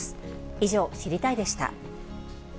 以上、知りたいッ！でした。